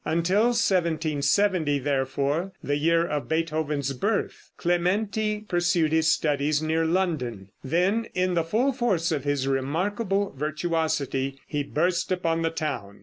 Until 1770, therefore (the year of Beethoven's birth), Clementi pursued his studies near London. Then, in the full force of his remarkable virtuosity, he burst upon the town.